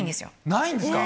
ないんですか。